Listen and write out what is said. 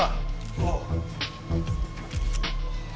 おう！